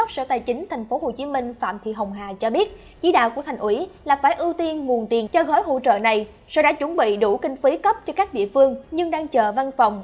sau đã chuẩn bị đủ kinh phí cấp cho các địa phương nhưng đang chờ văn phòng